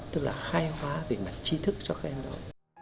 tức là khai hóa về mặt chi thức cho các em đó